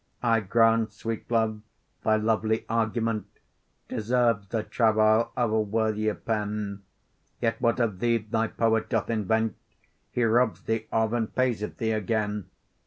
I grant, sweet love, thy lovely argument Deserves the travail of a worthier pen; Yet what of thee thy poet doth invent He robs thee of, and pays it thee again.